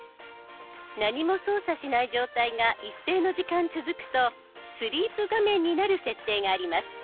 何も操作しない状態が一定の時間続くとスリープ画面になる設定があります。